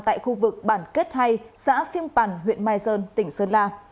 tại khu vực bản kết hay xã phiêng bản huyện mai sơn tỉnh sơn la